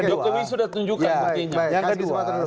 jokowi sudah tunjukkan buktinya